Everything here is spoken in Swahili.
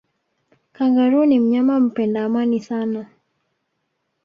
kangaroo ni mnyama mpenda amani sana